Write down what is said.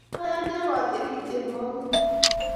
Ayene ak atyeni tyenwogik